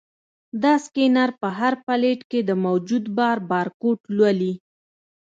دا سکینر په هر پلیټ کې د موجود بار بارکوډ لولي.